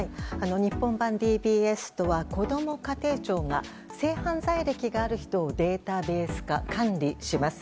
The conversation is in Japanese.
日本版ＤＢＳとはこども家庭庁が性犯罪歴がある人をデータベース化・管理します。